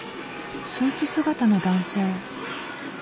スーツ姿の男性。